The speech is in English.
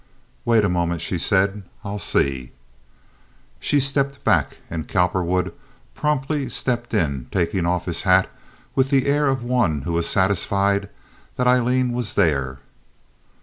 "Wait a moment," she said; "I'll see." She stepped back, and Cowperwood promptly stepped in, taking off his hat with the air of one who was satisfied that Aileen was there.